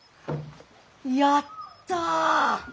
やった！